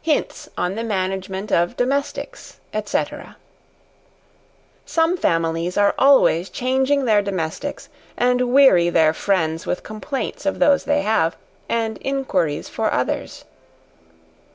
Hints on the Management of Domestics, &c. Some families are always changing their domestics, and weary their friends with complaints of those they have, and inquiries for others.